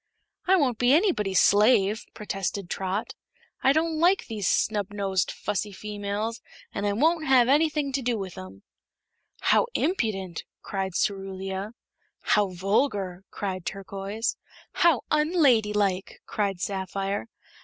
"I won't be anybody's slave," protested Trot. "I don't like these snubnosed, fussy females an' I won't have anything to do with 'em." "How impudent!" cried Cerulia. "How vulgar!" cried Turquoise. "How unladylike!" cried Sapphire.